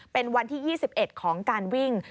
เป็นวันที่๒๑ของการวิ่ง